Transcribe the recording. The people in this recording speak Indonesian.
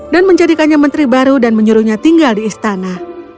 dan menjadikannya menteri baru dan menyuruhnya tinggal di istana